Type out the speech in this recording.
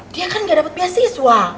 dia kan gak dapat beasiswa